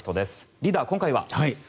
リーダー、今回は？